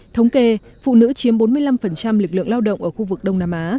thống kê phụ nữ chiếm bốn mươi năm lực lượng lao động ở khu vực đông nam á